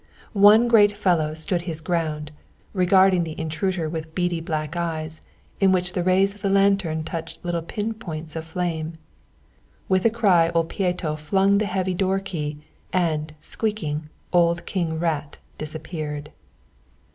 One great fellow stood his ground, regarding the intruder with beady black eyes in which the rays of the lantern touched little pin points of flame. With a cry old Pieto flung the heavy door key, and, squeaking, old King Rat disappeared.